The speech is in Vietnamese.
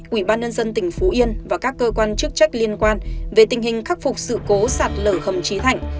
quỹ ban nhân dân tp hcm và các cơ quan chức trách liên quan về tình hình khắc phục sự cố sạt lở khẩm trí thảnh